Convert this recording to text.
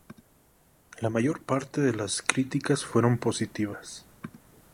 La mayor parte de las críticas fueron positivas.